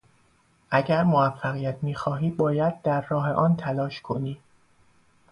اگر موفقیت میخواهی باید در راه آن تلاش کنی.